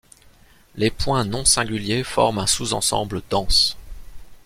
Les points non singuliers forment un sous-ensemble dense.